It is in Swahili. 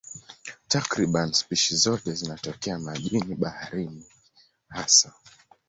Takriban spishi zote zinatokea majini, baharini hasa.